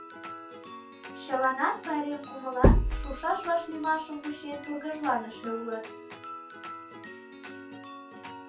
Чыланат пайрем кумылан, шушаш вашлиймашым вучен тургыжланыше улыт.